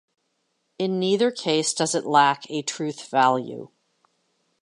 In neither case does it lack a truth value.